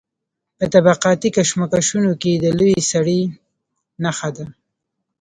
په طبقاتي کشمکشونو کې د لوی سړي نښه ده.